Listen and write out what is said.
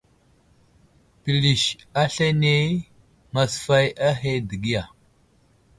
Pəlis aslane masfay ahe dəgiya.